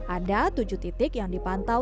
ada tujuh titik yang dipantau